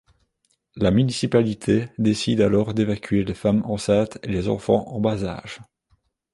La municipalité décide alors d'évacuer les femmes enceintes et les enfants en bas âge.